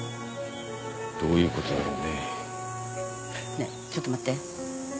ねっちょっと待って。